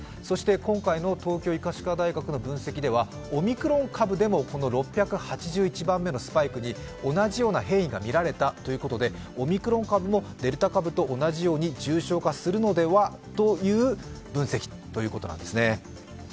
そして今回の東京医科歯科大学の分析ではオミクロン株でもこの６８１番目のスパイクに同じような変異が見られたということでオミクロン株もデルタ株と同じように重症化するのではという分析ということなんですね。